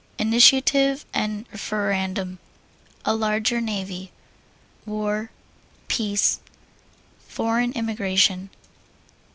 Initiative and Referendum. A Larger Navy. War. Peace. Foreign Immigration.